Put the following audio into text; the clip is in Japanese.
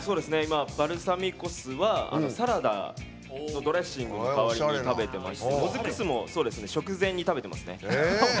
バルサミコ酢はサラダのドレッシングの代わりで食べていましてもずく酢も食前に食べてますね。